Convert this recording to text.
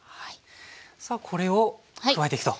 さあこれを加えていくと。